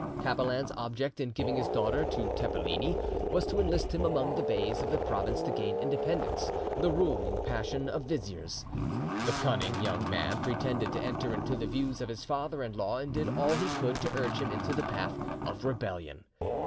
Capelan's object in giving his daughter to Tepeleni was to enlist him among the beys of the province to gain independence, the ruling passion of viziers. The cunning young man pretended to enter into the views of his father in law, and did all he could to urge him into the path of rebellion.